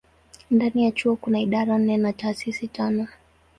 Ndani ya chuo kuna idara nne na taasisi tano.